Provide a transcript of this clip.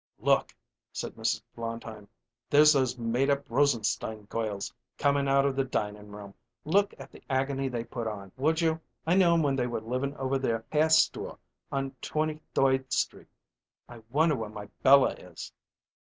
"Look!" said Mrs. Blondheim. "There's those made up Rosenstein goils comin' out of the dinin' room. Look at the agony they put on, would you! I knew 'em when they were livin' over their hair store on Twenty thoid Street. I wonder where my Bella is!"